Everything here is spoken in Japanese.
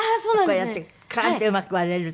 こうやってカン！ってうまく割れるとね。